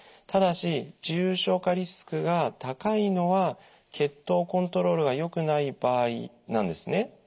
ただし重症化リスクが高いのは血糖コントロールがよくない場合なんですね。